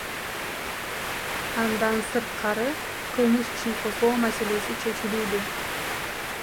Андан сырткары кылмыш ишин козгоо маселеси чечилүүдө.